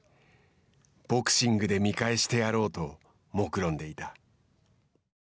ボクシングで見返してやろうともくろんでいた。